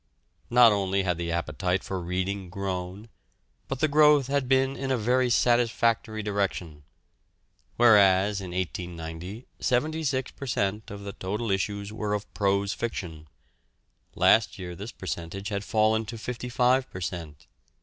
Not only had the appetite for reading grown, but the growth had been in a very satisfactory direction. Whereas in 1890 76 per cent. of the total issues were of prose fiction, last year this percentage had fallen to 55 per cent.